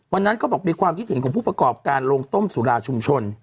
เขาบอกมีความคิดเห็นของผู้ประกอบการโรงต้มสุราชุมชน